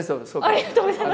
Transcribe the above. ありがとうございます。